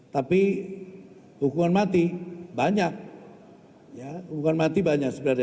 tapi hukuman mati banyak ya hukuman mati banyak sebenarnya